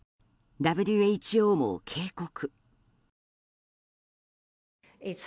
ＷＨＯも警告。